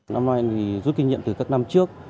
năm nay rút kinh nghiệm từ các năm trước